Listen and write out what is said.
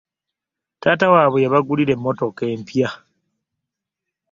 Taata wabwe yabagulira e mmotoka empya.